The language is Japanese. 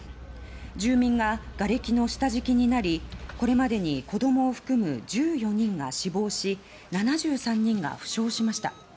住民ががれきの下敷きになりこれまでに子供を含む１４人が死亡し７３人が負傷しました。